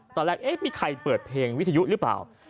ตอนแรกเอ๊ะมีใครเปิดเพลงวิทยุหรือเปล่า